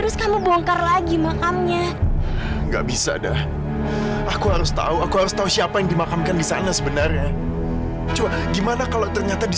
sampai jumpa di video selanjutnya